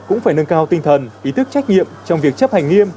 cũng phải nâng cao tinh thần ý thức trách nhiệm trong việc chấp hành nghiêm